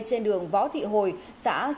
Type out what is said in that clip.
trên đường võ thị hồi xã xuân thới sơn